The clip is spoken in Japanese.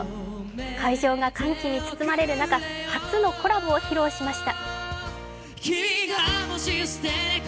会場が歓喜に包まれる中、初のコラボを披露しました。